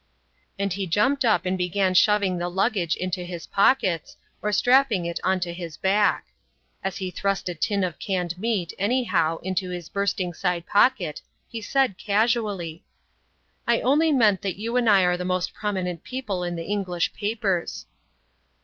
And he jumped up and began shoving the luggage into his pockets, or strapping it on to his back. As he thrust a tin of canned meat, anyhow, into his bursting side pocket, he said casually: "I only meant that you and I are the most prominent people in the English papers."